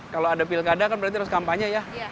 kalau ada pilkada kan berarti harus kampanye ya